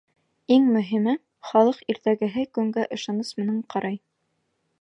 Иң мөһиме — халыҡ иртәгәһе көнгә ышаныс менән ҡарай.